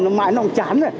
nó mãi nóng chán rồi